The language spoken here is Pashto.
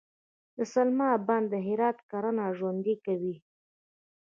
د سلما بند د هرات کرنه ژوندي کوي